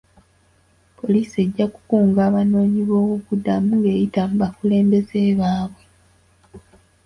Poliisi ejja kukunga abanoonyi boobubudamu ng'eyita mu bakulembeze baabwe.